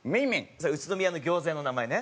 それ宇都宮の餃子屋の名前ね。